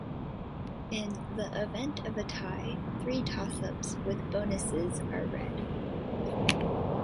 In the event of a tie, three tossups with bonuses are read.